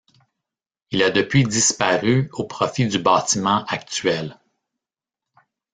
Il a depuis disparu au profit du bâtiment actuel.